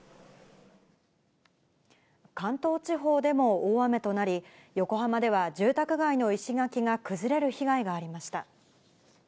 関東地方でも大雨となり、横浜では住宅街の石垣が崩れる被害がありました。